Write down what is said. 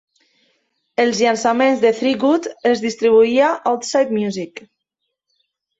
Els llançaments de Three Gut els distribuïa Outside Music.